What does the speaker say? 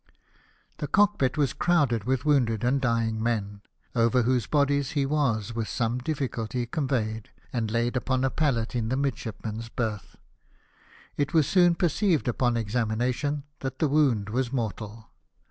The cockpit was crowded with wounded and dymg men, over whose bodies he was with some difficulty conveyed, and laid upon a pallet in the midshipmen's berth. It was soon perceived upon examination that the wound was mortal.